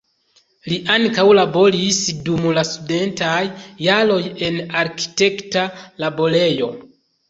Li ankaŭ laboris dum la studentaj jaroj en arkitekta laborejo.